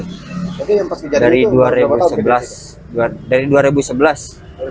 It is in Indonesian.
oke yang pas kejadian itu betapa rumah seharam